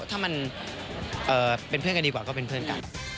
ถ้ามันเป็นเพื่อนกันดีกว่าก็เป็นเพื่อนกัน